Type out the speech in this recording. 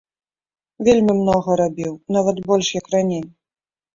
Вельмі многа рабіў, нават больш як раней.